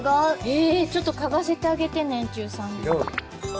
えちょっと嗅がせてあげて年中さんにも。